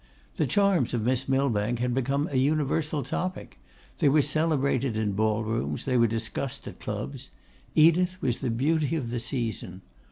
The charms of Miss Millbank had become an universal topic, they were celebrated in ball rooms, they were discussed at clubs: Edith was the beauty of the season.